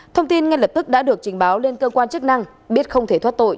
thông tin ngay lập tức đã được trình báo lên cơ quan chức năng biết không thể thoát tội